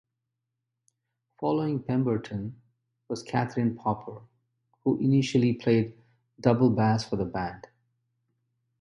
Following Pemberton, was Catherine Popper who initially played double bass for the band.